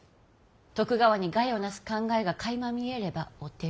徳川に害をなす考えがかいま見えればお手討ち。